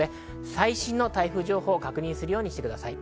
最新の台風情報を確認するようにしてください。